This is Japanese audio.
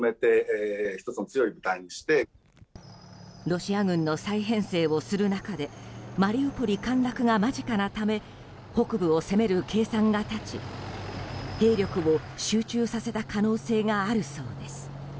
ロシア軍の再編成をする中でマリウポリ陥落が間近なため北部を攻める計算が立ち兵力を集中させた可能性があるそうです。